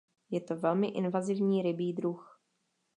Je to velmi invazivní rybí druh.